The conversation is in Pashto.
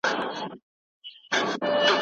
موږ باید د څيړني په وخت کي حوصله ولرو.